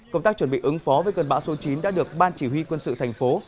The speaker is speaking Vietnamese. công tác chuẩn bị ứng phó với cơn bão số chín đã được ban chỉ huy quân sự thành phố